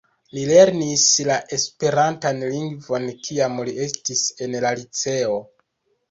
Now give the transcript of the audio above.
Li lernis la esperantan lingvon kiam li estis en la liceo.